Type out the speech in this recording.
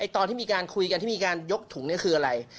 ตอนที่มีการคุยกันที่มีการยกถุงนี่คืออะไร